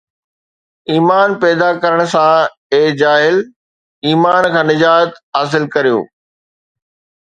ايمان پيدا ڪرڻ سان، اي جاهل، ايمان کان نجات حاصل ڪريو